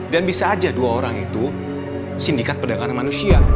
dan bisa aja dua orang itu sindikat perdagangan manusia